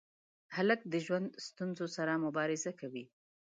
هلک د ژوند ستونزو سره مبارزه کوي.